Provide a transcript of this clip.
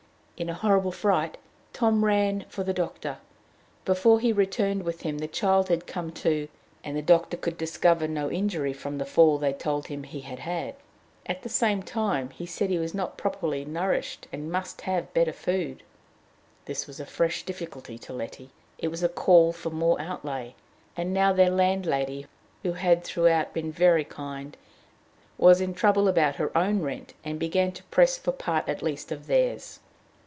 In a horrible fright, Tom ran for the doctor. Before he returned with him, the child had come to, and the doctor could discover no injury from the fall they told him he had had. At the same time, he said he was not properly nourished, and must have better food. This was a fresh difficulty to Letty; it was a call for more outlay. And now their landlady, who had throughout been very kind, was in trouble about her own rent, and began to press for part at least of theirs.